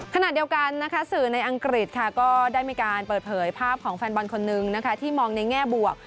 ขณะเดียวกันนะคะสื่อในอังกฤษก็ได้มีการเปิดเผยภาพของแฟนบอลคนนึงที่มองในแง่บวก